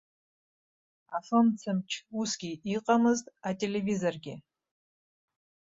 Афымцамч усгьы иҟамызт, ателевизоргьы.